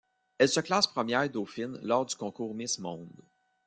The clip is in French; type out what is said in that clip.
Elle se classe première dauphine lors du concours Miss Monde.